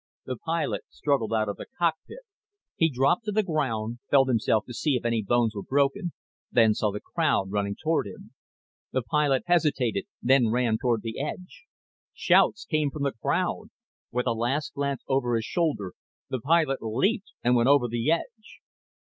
The pilot struggled out of the cockpit. He dropped to the ground, felt himself to see if any bones were broken, then saw the crowd running toward him. The pilot hesitated, then ran toward the edge. Shouts came from the crowd. With a last glance over his shoulder, the pilot leaped and went over the edge.